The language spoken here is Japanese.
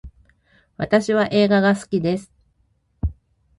私は映画が好きです